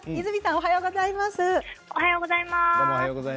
おはようございます。